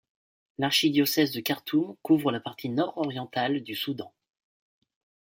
L'archidiocèse de Khartoum couvre la partie nord-orientale du Soudan.